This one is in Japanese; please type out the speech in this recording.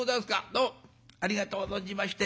どうもありがとう存じまして。